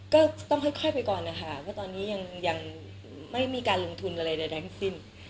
ก็ต้องค่อยค่อยไปก่อนอะค่ะเพราะตอนนี้ยังยังไม่มีการลงทุนอะไรเดี๋ยวแดงสิ้น